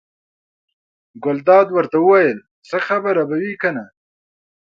ګلداد ورته وویل: څه خبره به وي کنه.